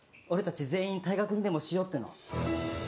俺たち全員、退学にでもしようっての？